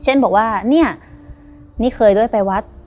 เช่นบอกว่าเนี่ยนี่เคยด้วยไปวัด